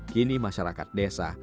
kini masyarakat desa